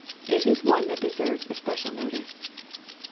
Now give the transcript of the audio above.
It is one that deserves especial notice.